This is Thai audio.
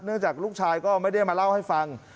จากลูกชายก็ไม่ได้มาเล่าให้ฟัง